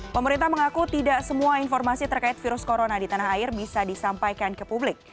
pemerintah mengaku tidak semua informasi terkait virus corona di tanah air bisa disampaikan ke publik